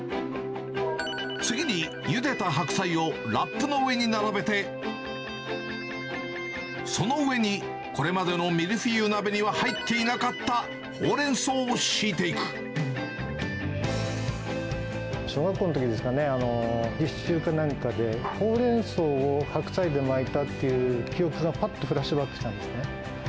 次にゆでた白菜をラップの上に並べて、その上に、これまでのミルフィーユ鍋には入っていなかったほうれんそうを敷小学校のときですかね、実習かなんかで、ほうれんそうを白菜で巻いたっていう記憶がぱっとフラッシュバックしたんですね。